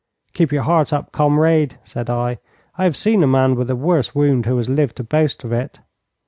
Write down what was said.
'Keep your heart up, comrade,' said I; 'I have seen a man with a worse wound who has lived to boast of it.'